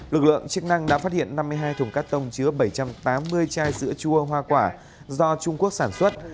lực lượng chức năng đã phát hiện năm mươi hai thùng cắt tông chứa bảy trăm tám mươi chai sữa chua hoa quả do trung quốc sản xuất